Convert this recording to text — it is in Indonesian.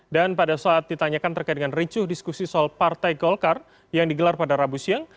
dan pada saat ditanyakan terkait dengan ricuh diskusi soal partai golkar yang digelar pada rabu siang